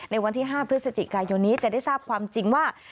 ในวันที่๕พฤศจิกายนนี้จะได้ทราบความจริงว่า